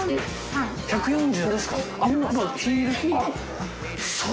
１４３ですか？